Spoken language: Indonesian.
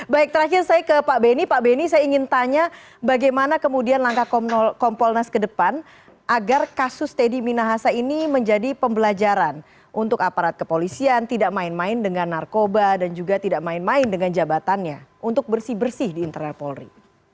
baik terakhir saya ke pak beni pak benny saya ingin tanya bagaimana kemudian langkah kompolnas ke depan agar kasus teddy minahasa ini menjadi pembelajaran untuk aparat kepolisian tidak main main dengan narkoba dan juga tidak main main dengan jabatannya untuk bersih bersih di internal polri